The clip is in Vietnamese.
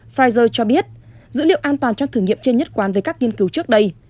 pfizer cho biết dữ liệu an toàn trong thử nghiệm trên nhất quán với các nghiên cứu trước đây